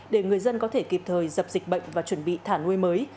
để người dân có thể kịp thời dập dịch bệnh và chuẩn bị thả nuôi mới